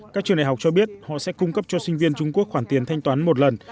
các trường đại học cho biết họ sẽ cung cấp cho sinh viên trung quốc khoản tiền thanh toán một lần